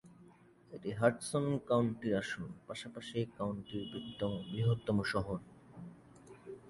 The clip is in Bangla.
এটি হাডসন কাউন্টির আসন, পাশাপাশি কাউন্টির বৃহত্তম শহর।